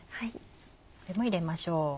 これも入れましょう。